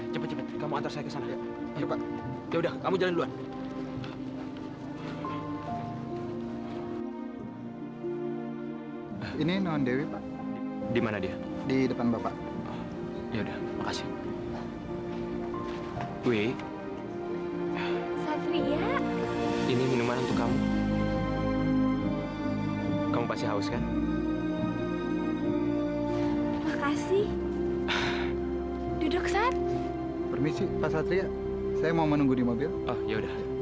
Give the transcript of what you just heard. sampai jumpa di video selanjutnya